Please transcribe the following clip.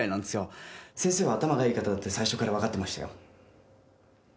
先生は頭がいい方だって最初から分かってましたよ。